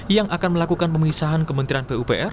yang akan melakukan pemisahan kementerian pupr